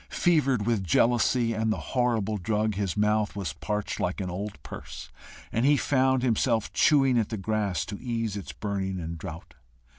Fevered with jealousy and the horrible drug, his mouth was parched like an old purse, and he found himself chewing at the grass to ease its burning and drought.